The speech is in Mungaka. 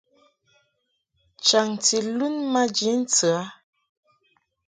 Chaŋti lun maji ntɨ a.